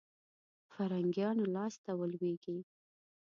فرنګیانو لاسته ولوېږي.